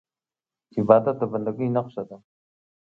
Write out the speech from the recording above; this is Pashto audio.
عبادت د بندګۍ نښه ده.